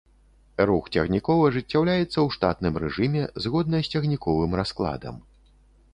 Рух цягнікоў ажыццяўляецца ў штатным рэжыме згодна з цягніковым раскладам.